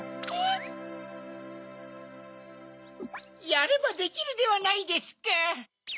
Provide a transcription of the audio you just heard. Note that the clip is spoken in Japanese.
やればできるではないですか！